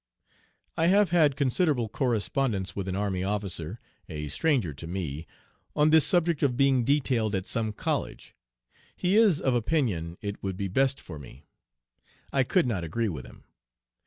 I have had considerable correspondence with an army officer, a stranger to me, on this subject of being detailed at some college. He is of opinion it would be best for me. I could not agree with him.